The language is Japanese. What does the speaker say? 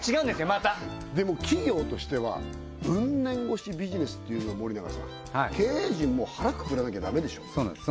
またでも企業としてはウン年越しビジネスっていうの森永さん経営陣も腹くくらなきゃダメでしょそうなんです